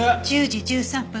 １０時１３分。